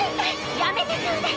やめてちょうだい！